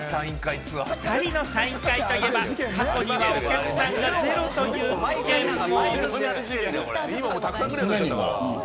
２人のサイン会といえば、過去にはお客さんがゼロという事件も。